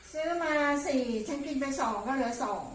ซื้อมา๔ฉันกินไป๒ก็เหลือ๒